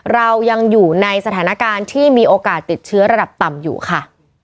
เรายังอยู่ในสถานการณ์ที่มีโอกาสติดเชื้อระดับต่ำอยู่ค่ะ